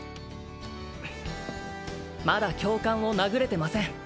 まだ教官を殴れてません